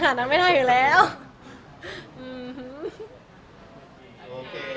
แฟนคลับของคุณไม่ควรเราอะไรไง